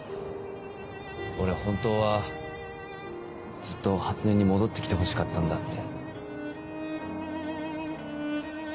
俺本当はずっと初音に戻ってきてほしかったんだって。